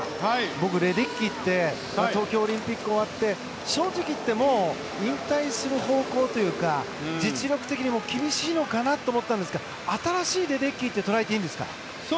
僕はレデッキーって東京オリンピックが終わって引退する方向というか実力的にも厳しいなって思ったんですけど新しいレデッキーと捉えていいですか。